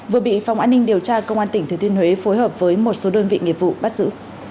vừa bị phòng an ninh điều tra công an tỉnh thứ thiên huế phối hợp với một số đơn vị nghiệp vụ bắt giữ